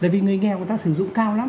vì người nghèo sử dụng cao lắm